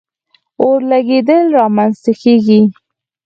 اور لګېدل را منځ ته کیږي.